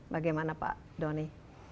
bagaimana pak doni